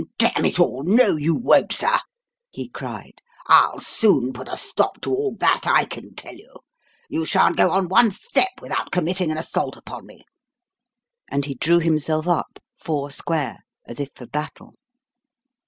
"Damn it all, no you won't, sir!" he cried. "I'll soon put a stop to all that, I can tell you. You shan't go on one step without committing an assault upon me." And he drew himself up, four square, as if for battle.